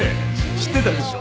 知ってたでしょ？